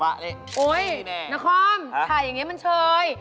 มานี่นี่แน่น้าคอมถ่ายอย่างนี้มันเชย